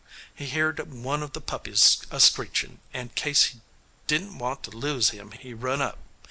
He heerd one o' the puppies a screechin', and kase he didn't want to lose him he run up.